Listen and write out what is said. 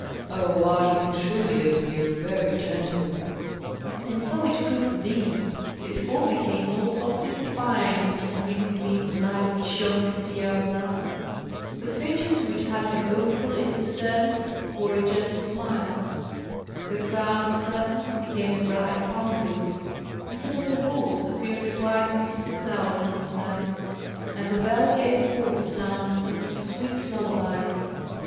"Oh! I can truly appear very gentle." And so it proved indeed. His form became more softly defined in the increasing gleam of light which shone from the hour glass; the features, which had been awful in their sternness, wore a gentle smile; the crown of serpents became a bright palm wreath; instead of the horse appeared a white misty cloud in the moonlight; and the bell gave forth sounds as of sweet lullabies.